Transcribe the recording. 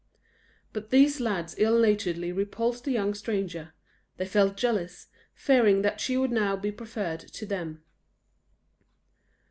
But these lads ill naturedly repulsed the young stranger; they felt jealous, fearing that she would now be preferred to them.